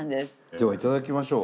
では頂きましょう。